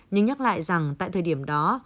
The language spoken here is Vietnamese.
nhưng nhắc lại rằng tại thời điểm đó